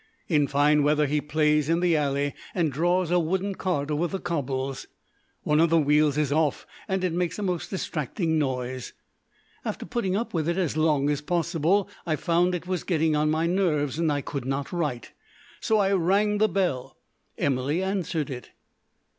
In fine weather he plays in the alley, and draws a wooden cart over the cobbles. One of the wheels is off, and it makes a most distracting noise. After putting up with it as long as possible, I found it was getting on my nerves, and I could not write. So I rang the bell. Emily answered it.